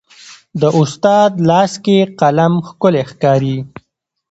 د استاد لاس کې قلم ښکلی ښکاري.